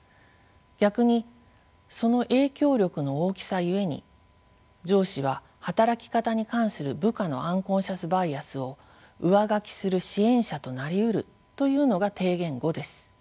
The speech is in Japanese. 逆にその影響力の大きさゆえに上司は働き方に関する部下のアンコンシャスバイアスを「上書き」する支援者となりうるというのが提言５です。